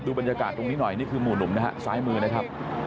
บรรยากาศตรงนี้หน่อยนี่คือหมู่หนุ่มนะฮะซ้ายมือนะครับ